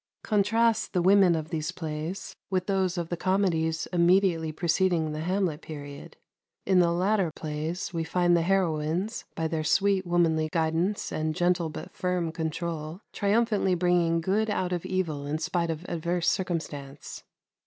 Contrast the women of these plays with those of the comedies immediately preceding the Hamlet period. In the latter plays we find the heroines, by their sweet womanly guidance and gentle but firm control, triumphantly bringing good out of evil in spite of adverse circumstance.